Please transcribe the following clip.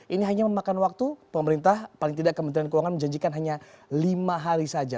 ini hanya memakan waktu pemerintah paling tidak kementerian keuangan menjanjikan hanya lima hari saja